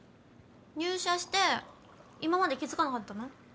入社して今まで気付かなかったの？